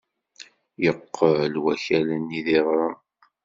Yeqqel wakal-nni d iɣrem.